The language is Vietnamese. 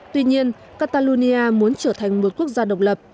tuy nhiên catalonia muốn trở thành một quốc gia độc lập